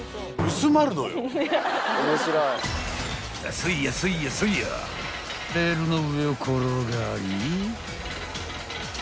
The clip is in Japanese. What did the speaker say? ［そいやそいやそいやレールの上を転がり］